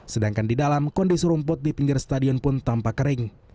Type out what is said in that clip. sedangkan di dalam kondisi rumput di pinggir stadion pun tampak kering